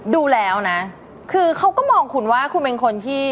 ดูแล้วนะคือเขาก็มองคุณว่าคุณเป็นคนที่